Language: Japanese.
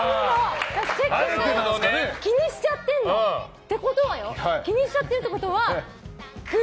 気にしちゃってるの。ってことは気にしちゃってるってことは来る！